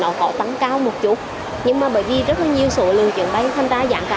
nó có tăng cao một chút nhưng mà bởi vì rất nhiều số lượng chuyển bay tham gia dạng cao